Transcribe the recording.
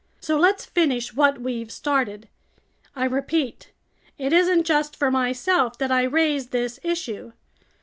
So let's finish what we've started. I repeat: it isn't just for myself that I raise this issue.